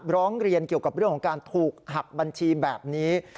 ร้องเรียนเกี่ยวกับเรื่องของการถูกหักบัญชีแบบนี้